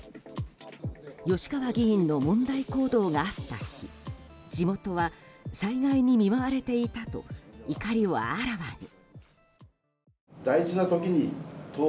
吉川議員の問題行動があった日地元は、災害に見舞われていたと怒りをあらわに。